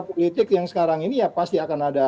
politik yang sekarang ini ya pasti akan ada